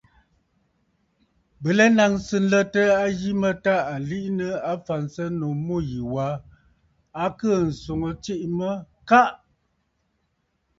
Bɨ lɛ nnaŋsə nlətə a yi mə tâ à liʼinə afǎnsənnǔ mû yì wa, a kɨɨ̀ ǹswoŋə tsiʼì mə “Kaʼa!”.